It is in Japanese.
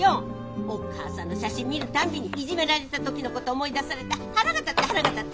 お義母さんの写真見るたんびにいじめられた時のこと思い出されて腹が立って腹が立って。